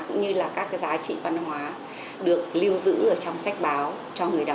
cũng như là các giá trị văn hóa được lưu giữ trong sách báo cho người đọc